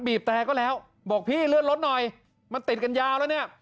แต่ก็แล้วบอกพี่เลื่อนรถหน่อยมันติดกันยาวแล้วเนี่ย